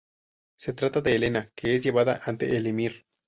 Se trata de Helena, que es llevada ante el Emir.